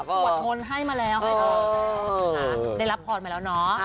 หวทมนท์ให้มาแล้วได้รับพอลไปแล้วนะ